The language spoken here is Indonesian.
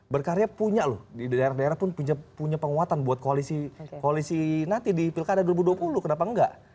berkarya punya loh di daerah daerah pun punya penguatan buat koalisi nanti di pilkada dua ribu dua puluh kenapa enggak